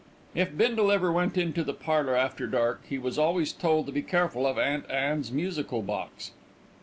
If Bindle ever went into the parlour after dark, he was always told to be careful of Aunt Anne's musical box.